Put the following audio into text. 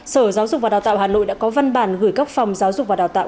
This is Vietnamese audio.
sở giáo dục và đào tạo hà nội đã có văn bản gửi các phòng giáo dục và đào tạo